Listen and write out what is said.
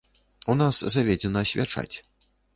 У нас заведзена асвячаць.